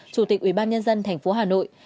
chủ tịch ubnd tp hà nội